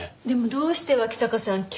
でもどうして脇坂さん